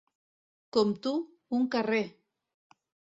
Com tu, un carrer!